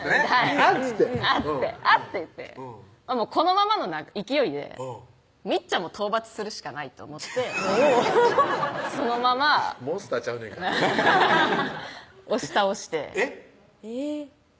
「あっ！」っつって「あっ！」って言ってこのままの勢いでみっちゃんも討伐するしかないと思ってそのままモンスターちゃうねんから押し倒してえっ？